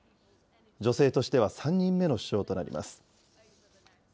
女性としては３人目の首相となります。